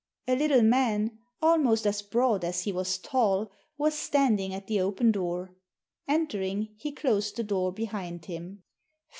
A little man, almost as broad as he was tall, was standing at the open doon Entering, he closed the door behind him.